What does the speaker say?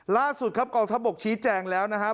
ล่าสุดครับกองทัพบกชี้แจงแล้วนะครับ